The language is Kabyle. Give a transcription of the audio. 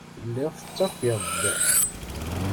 Telliḍ tettakiḍ-d.